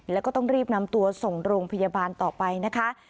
แล้วก็ต้องรีบนำตัวส่งโรงพยาบาลต่อไปนะคะ